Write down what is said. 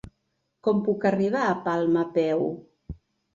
Com puc arribar a Palma a peu?